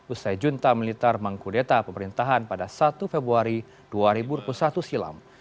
usai junta militer mengkudeta pemerintahan pada satu februari dua ribu dua puluh satu silam